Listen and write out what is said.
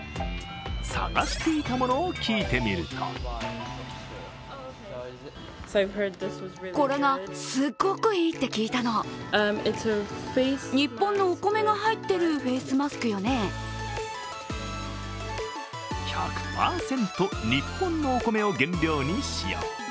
探していたものを聞いてみると１００％日本のお米を原料に使用。